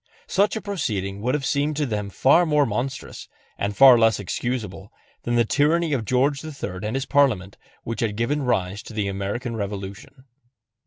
Such a proceeding would have seemed to them far more monstrous, and far less excusable, than that tyranny of George III and his Parliament which had given rise to the American Revolution.